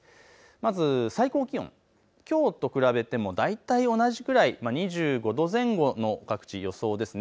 まず最高気温、きょうと比べても大体同じくらい、２５度前後、各地予想です。